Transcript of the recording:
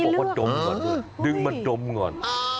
เขาบอกว่าดมก่อนเดินมาดมก่อน